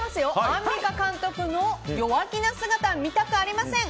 アンミカ監督の弱気な姿見たくありません！